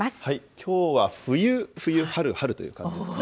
きょうは冬、冬、春、春という感じですね。